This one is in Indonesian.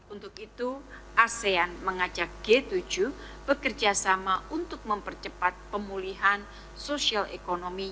untuk itu asean mengajak g tujuh bekerjasama untuk mempercepat pemulihan social economy